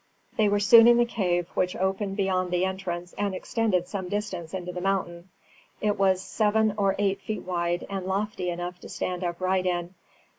They were soon in the cave, which opened beyond the entrance and extended some distance into the mountain; it was seven or eight feet wide and lofty enough to stand upright in.